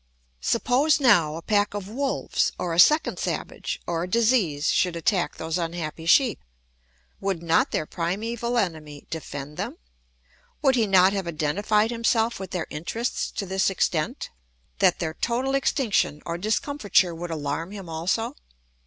Suppose, now, a pack of wolves, or a second savage, or a disease should attack those unhappy sheep. Would not their primeval enemy defend them? Would he not have identified himself with their interests to this extent, that their total extinction or discomfiture would alarm him also?